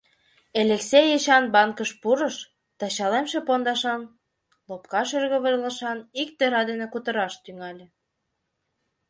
Элексей Эчан банкыш пурыш да чалемше пондашан, лопка шӱргывылышан ик тӧра дене кутыраш тӱҥале.